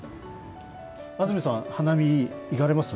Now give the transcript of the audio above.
安住さん、花見行かれます？